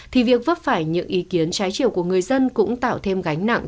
thì việc vấp phải những ý kiến trái chiều của người dân cũng tạo thêm gánh nặng